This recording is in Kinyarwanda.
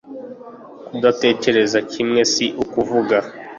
kudatekereza kimwe si ukuvuga